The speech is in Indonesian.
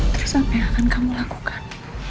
terus apa yang akan kamu lakukan